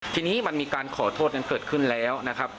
ทีนี้มันมีการขอโทษกันเกิดขึ้นแล้วนะครับ